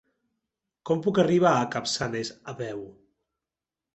Com puc arribar a Capçanes a peu?